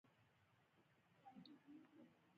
د کندز طلا محمد خادم دوه قبضې ږیره پرېښوده.